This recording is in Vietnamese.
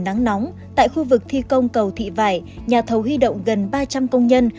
nắng nóng tại khu vực thi công cầu thị vải nhà thầu huy động gần ba trăm linh công nhân